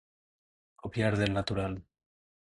Copiar del natural.